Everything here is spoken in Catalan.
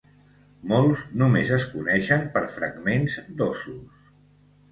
Molts només es coneixen per fragments d'ossos.